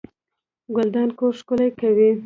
ګلدان کور ښکلی کوي